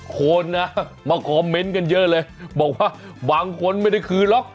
คนนะมาคอมเมนต์กันเยอะเลยบอกว่าบางคนไม่ได้คืนหรอก